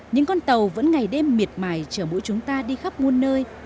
những con tàu vẫn ngày đêm miệt mài chở mỗi chúng ta đi khắp nguồn nơi